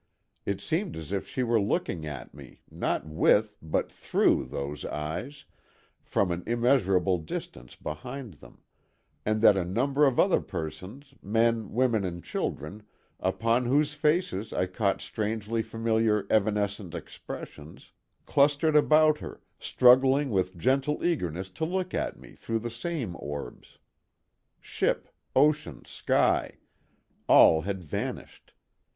It seemed as if she were looking at me, not with, but through, those eyes—from an immeasurable distance behind them—and that a number of other persons, men, women and children, upon whose faces I caught strangely familiar evanescent expressions, clustered about her, struggling with gentle eagerness to look at me through the same orbs. Ship, ocean, sky—all had vanished.